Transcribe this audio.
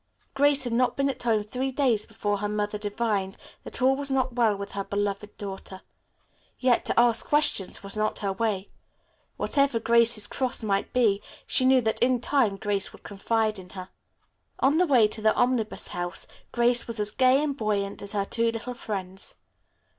Grace had not been at home three days before her mother divined that all was not well with her beloved daughter. Yet to ask questions was not her way. Whatever Grace's cross might be, she knew that, in time, Grace would confide in her. On the way to the Omnibus House Grace was as gay and buoyant as her two little friends.